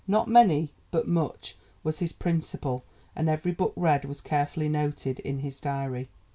"Not many, but much," was his principle, and every book read was carefully noted in his diary.